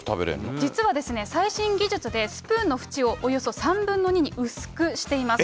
実は最新技術でスプーンの縁をおよそ３分の２に薄くしています。